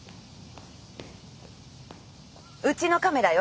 うちのカメラよ。